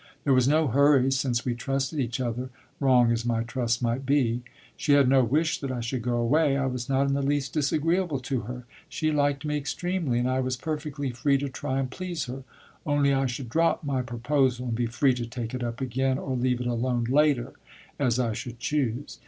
There was no hurry, since we trusted each other wrong as my trust might be. She had no wish that I should go away. I was not in the least disagreeable to her; she liked me extremely, and I was perfectly free to try and please her. Only I should drop my proposal, and be free to take it up again or leave it alone, later, as I should choose.